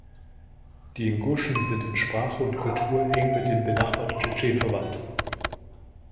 Die Inguschen sind in Sprache und Kultur eng mit den benachbarten Tschetschenen verwandt.